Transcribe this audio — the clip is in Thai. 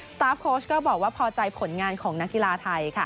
ตาฟโค้ชก็บอกว่าพอใจผลงานของนักกีฬาไทย